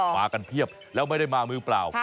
มากันเพียบแล้วไม่ได้มามือเปล่า